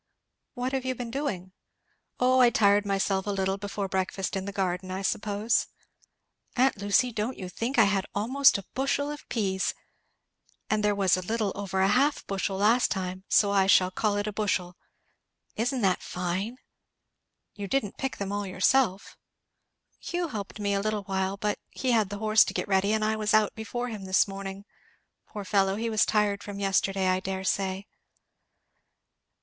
"What have you been doing?" "O I tired myself a little before breakfast in the garden, I suppose. Aunt Lucy, don't you think I had almost a bushel of peas? and there was a little over a half bushel last time, so I shall call it a bushel. Isn't that fine?" "You didn't pick them all yourself?" "Hugh helped me a little while; but he had the horse to get ready, and I was out before him this morning poor fellow, he was tired from yesterday, I dare say."